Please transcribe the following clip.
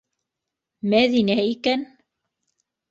Мәҙинә икән.